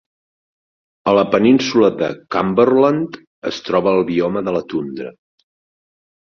A la península de Cumberland es troba el bioma de la tundra.